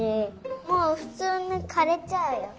もうふつうにかれちゃうよ。